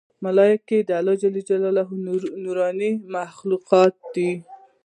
ملایکې د الله ج یو نورانې مخلوق دی